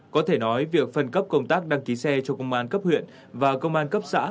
có thể nói việc phân cấp công tác đăng ký xe cho công an cấp huyện và công an cấp xã